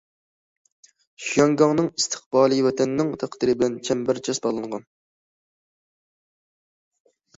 شياڭگاڭنىڭ ئىستىقبالى ۋەتەننىڭ تەقدىرى بىلەن چەمبەرچاس باغلانغان.